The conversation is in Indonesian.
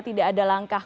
tidak ada langkah